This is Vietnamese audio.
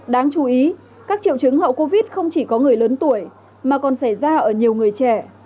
đáng chú ý các triệu chứng hậu covid không chỉ có người lớn tuổi mà còn xảy ra ở nhiều người trẻ